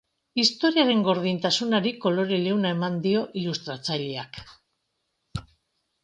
Istorioaren gordintasunari kolore leuna eman dio ilustratzaileak.